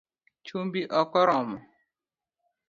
Chumbi okoromo